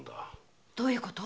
どういうこと？